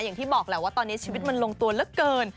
อย่างที่บอกแหละว่าตอนนี้ชีวิตมันลงตัวเหลือเกิน